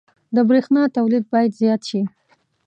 • د برېښنا تولید باید زیات شي.